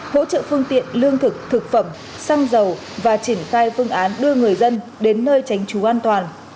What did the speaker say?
hỗ trợ phương tiện lương thực thực phẩm xăng dầu và triển khai phương án đưa người dân đến nơi tránh trú an toàn